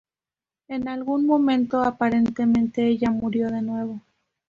En algún momento aparentemente ella murió de nuevo.